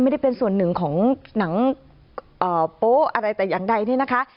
ไม่ได้เป็นส่วนหนึ่งของหนังโป๊ะอะไรแต่อย่างใดเนี่ยนะคะ